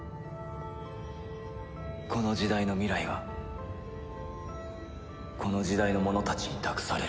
この時代の未来はこの時代の者たちに託される。